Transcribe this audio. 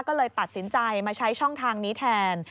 ก็เลยตัดสินใจมาใช้ช่องทางนี้แทน